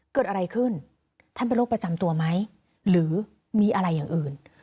เกิดอะไรขึ้นท่านเป็นโรคประจำตัวไหมหรือมีอะไรอย่างอื่น